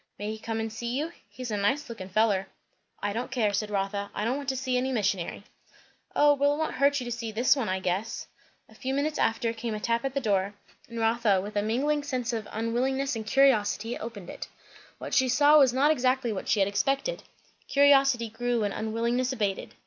"May he come and see you? He's a nice lookin' feller." "I don't care," said Rotha. "I don't want to see any missionary." "O well! it won't hurt you to see this one, I guess." A few minutes after came a tap at the door, and Rotha with a mingling of unwillingness and curiosity, opened it. What she saw was not exactly what she had expected; curiosity grew and unwillingness abated.